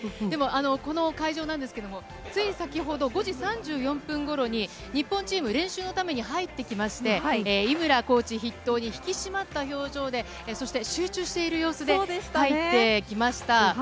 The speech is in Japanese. この会場なんですけれど、つい先ほど５時３４分頃に日本チーム、練習のために入ってきまして井村コーチ筆頭に引き締まった表情で、そして集中してる様子で入ってきました。